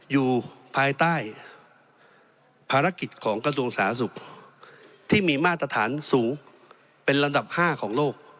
อยู่ภายใต้ภารกิจของกระทรวงสาธารณสุขที่มีมาตรฐานสูงเป็นลำดับ๕ของโลก